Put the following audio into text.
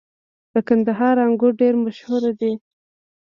• د کندهار انګور ډېر مشهور دي.